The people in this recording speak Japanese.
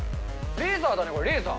レーザーだね、これ、レーザー。